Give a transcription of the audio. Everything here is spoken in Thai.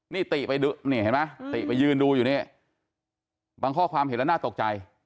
นี่ติไปดูนี่เห็นไหมติไปยืนดูอยู่นี่บางข้อความเห็นแล้วน่าตกใจ